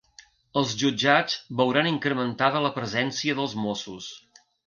Els jutjats veuran incrementada la presència dels Mossos